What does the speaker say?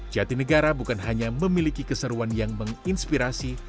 jatinegara bukan hanya memiliki keseruan yang menginspirasi